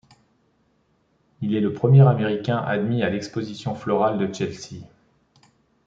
Il est le premier Américain admis à l'exposition florale de Chelsea.